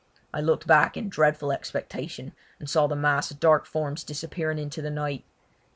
I looked back in dreadful expectation, and saw the mass of dark forms disappearing into the night.